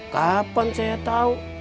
kapan saya tau